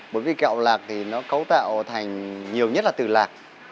bởi vì kẹo lạc thì nó cấu tạo thành nhiều nhất là từ lạc